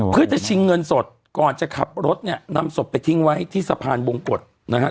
เพื่อจะชิงเงินสดก่อนจะขับรถเนี่ยนำศพไปทิ้งไว้ที่สะพานบงกฎนะฮะ